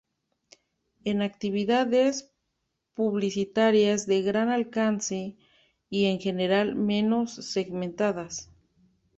En actividades publicitarias de gran alcance y en general, menos segmentadas.